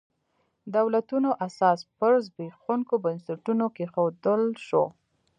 دولتونو اساس پر زبېښونکو بنسټونو کېښودل شو.